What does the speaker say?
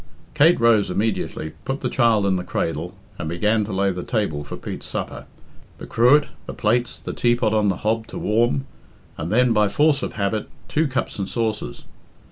Kate rose immediately, put the child in the cradle, and began to lay the table for Pete's supper the cruet, the plates, the teapot on the hob to warm, and then by force of habit two cups and saucers.